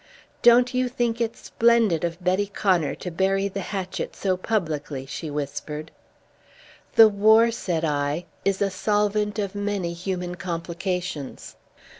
"Don't you think it splendid of Betty Connor to bury the hatchet so publicly?" she whispered. "The war," said I, "is a solvent of many human complications."